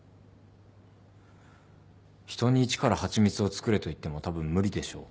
人に一から蜂蜜を作れと言ってもたぶん無理でしょう。